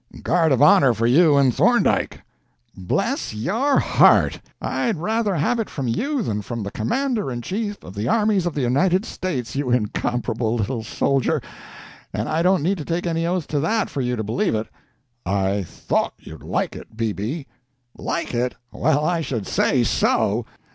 "Guard of honor for you and Thorndike." "Bless—your—heart! I'd rather have it from you than from the Commander in Chief of the armies of the United States, you incomparable little soldier!—and I don't need to take any oath to that, for you to believe it." "I thought you'd like it, BB." "Like it? Well, I should say so!